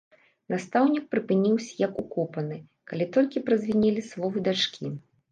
Настаўнік прыпыніўся як укопаны, калі толькі празвінелі словы дачкі.